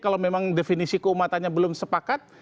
kalau memang definisi keumatannya belum sepakat